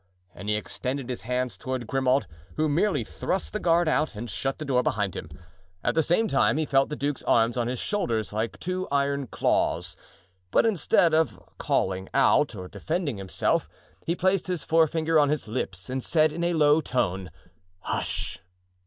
And he extended his hands toward Grimaud, who merely thrust the guard out and shut the door behind him. At the same time he felt the duke's arms on his shoulders like two iron claws; but instead either of calling out or defending himself, he placed his forefinger on his lips and said in a low tone: "Hush!"